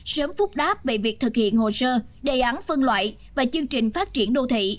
sớm phúc đáp về việc thực hiện hồ sơ đề án phân loại và chương trình phát triển đô thị